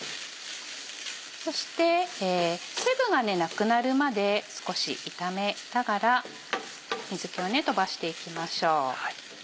そして水分がなくなるまで少し炒めながら水気を飛ばしていきましょう。